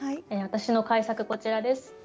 私の改作こちらです。